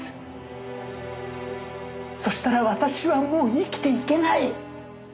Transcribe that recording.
そしたら私はもう生きていけない。